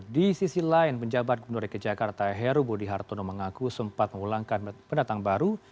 di sisi lain penjabat gubernur dki jakarta heru budi hartono mengaku sempat mengulangkan pendatang baru